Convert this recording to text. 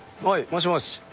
もしもし。